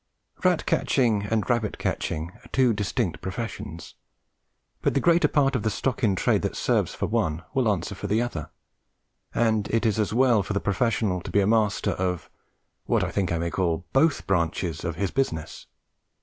Rat catching and rabbit catching are two distinct professions, but the greater part of the stock in trade that serves for one will answer for the other, and it is as well for the professional to be master of what I think I may call both branches of his business.